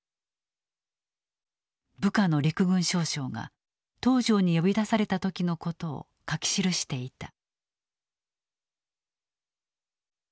部下の陸軍少将が東條に呼び出された時のことを書き記していた。